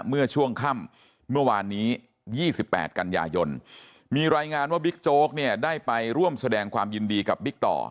เมื่อช่วงค่ำเมื่อวานนี้๒๘กันยายนมีรายงานว่าบิ๊กโจ๊กเนี่ยได้ไปร่วมแสดงความยินดีกับบิ๊กต่อ